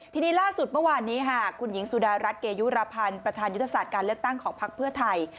ทีนี้ล่าสุดเมื่อวานนี้ค่ะคุณหญิงสุดารัฐเกยุรพันธ์ประธานยุทธศาสตร์การเลือกตั้งของพักเพื่อไทย